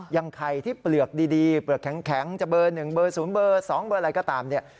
อย่างไข่ที่เปลือกดีเปลือกแข็งจะเบอร์๑เบอร์๐เบอร์๒เบอร์อะไรก็ตามเนี่ย